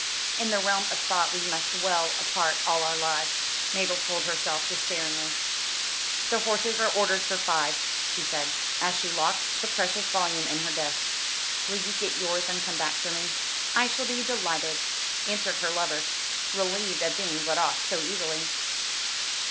"In the realm of thought we must dwell apart all our lives," Mabel told herself despairingly. "The horses are ordered for five," she said, as she locked the precious volume in her desk; "will you get yours and come back for me?" "I shall be delighted," answered her lover, relieved at being let off so easily.